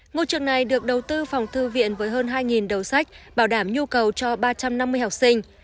ngôi trường này được đầu tư phòng thư viện với hơn hai đầu sách bảo đảm nhu cầu cho ba trăm năm mươi học sinh